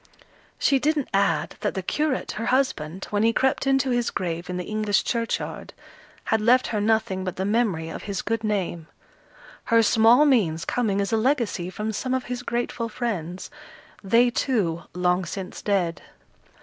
She didn't add that the curate, her husband, when he crept into his grave, in the English churchyard, had left her nothing but the memory of his good name, her small means coming as a legacy from some of his grateful friends, they, too, long since dead.